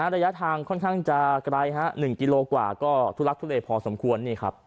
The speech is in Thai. ระยะทางค่อนข้างจะไกล๑กิโลกว่าก็ทุลักทุเลพอสมควร